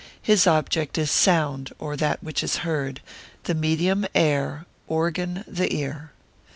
His object is sound, or that which is heard; the medium, air; organ, the ear.